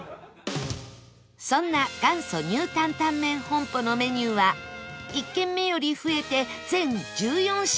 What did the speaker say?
そんな元祖ニュータンタンメン本舗のメニューは１軒目より増えて全１４品